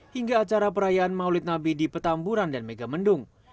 hingga acara perayaan maulid nabi di petamburan dan megamendung